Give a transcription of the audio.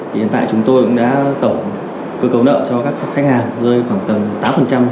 hiện tại chúng tôi cũng đã cơ cấu nợ cho các khách hàng rơi khoảng tầm tám